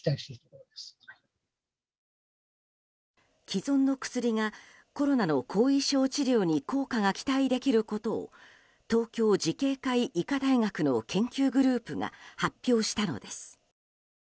既存の薬がコロナの後遺症治療に効果が期待できることを東京慈恵会医科大学の研究グループが発表したのです。